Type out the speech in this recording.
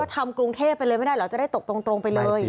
ทำกรุงเทพไปเลยไม่ได้เหรอจะได้ตกตรงไปเลย